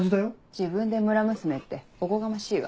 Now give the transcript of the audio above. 自分で村娘っておこがましいわ。